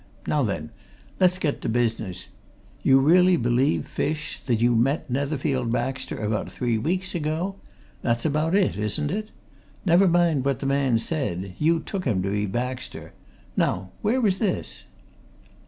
Now then, let's get to business. You really believe, Fish, that you met Netherfield Baxter about three weeks ago? That's about it, isn't it? Never mind what the man said you took him to be Baxter. Now, where was this?"